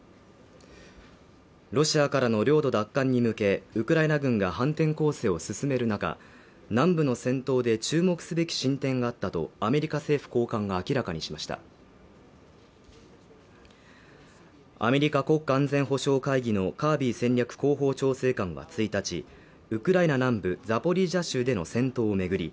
ロシアからの領土奪還に向けウクライナ軍が反転攻勢を進める中南部の戦闘で注目すべき進展があったとアメリカ政府高官が明らかにしましたアメリカ国家安全保障会議のカービー戦略広報調整官は１日ウクライナ南部ザポリージャ州での戦闘を巡り